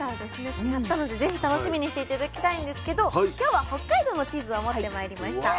違ったので是非楽しみにして頂きたいんですけど今日は北海道のチーズを持ってまいりました。